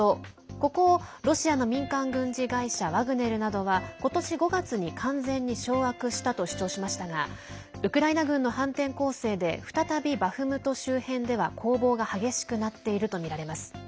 ここをロシアの民間軍事会社ワグネルなどは今年５月に完全に掌握したと主張しましたがウクライナ軍の反転攻勢で再びバフムト周辺では攻防が激しくなっているとみられます。